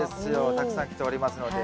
たくさん来ておりますので。